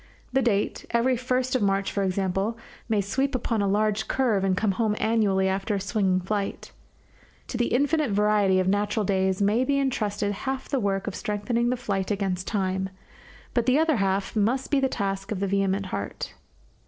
The date, every first of March, for example, may sweep upon a large curve and come home annually after a swinging flight. To the infinite variety of natural days may be entrusted half the work of strengthening the flight against time, but the other half must be the task of the vehement heart.